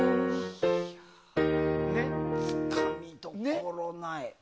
つかみどころない。